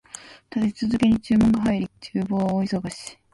立て続けに注文が入り、厨房は大忙し